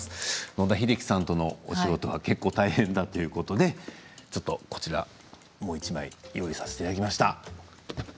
野田秀樹さんとのお仕事は結構、大変だということでもう１枚用意させていただきました。